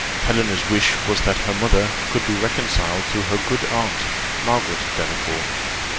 Helena's wish was, that her mother could be reconciled to her good aunt, Margaret Delacour.